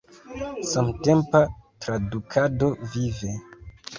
Samtempa tradukado – vive!